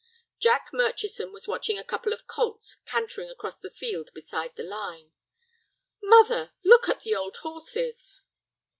Jack Murchison was watching a couple of colts cantering across a field beside the line. "Mother, look at the old horses."